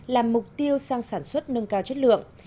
làm mục tiêu sang sản xuất nâng cao chất lượng